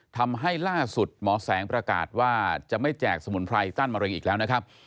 ทำให้ล่าสุดหมอแสงประกาศว่าจะไม่แจกสมุนไพรต้านมะเร็งอีกแล้วนะครับ